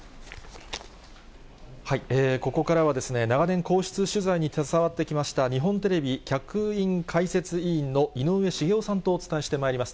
ここからは、長年、皇室取材に携わってきました、日本テレビ客員解説委員の井上茂男さんとお伝えしてまいります。